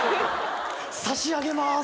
「差し上げまーす！」